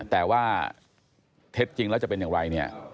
แต่ว่าเท็จจริงแล้วจะเป็นอย่างไรเนี่ย